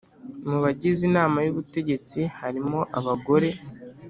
mu bagize Inama y ubutegetsi harimo abagore